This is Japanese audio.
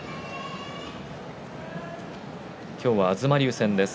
今日は東龍戦です。